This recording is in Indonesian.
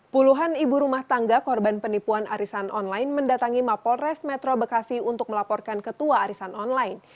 puluhan ibu rumah tangga korban penipuan arisan online mendatangi mapolres metro bekasi untuk melaporkan ketua arisan online